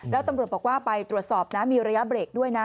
แล้วตำรวจบอกว่าไปตรวจสอบนะมีระยะเบรกด้วยนะ